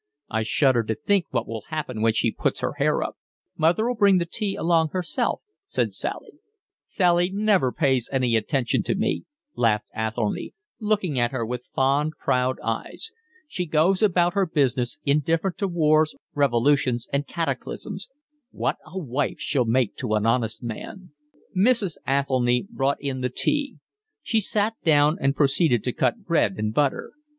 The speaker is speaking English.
I shudder to think what will happen when she puts her hair up." "Mother'll bring the tea along herself," said Sally. "Sally never pays any attention to me," laughed Athelny, looking at her with fond, proud eyes. "She goes about her business indifferent to wars, revolutions, and cataclysms. What a wife she'll make to an honest man!" Mrs. Athelny brought in the tea. She sat down and proceeded to cut bread and butter.